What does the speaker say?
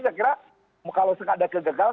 saya kira kalau ada kegagalan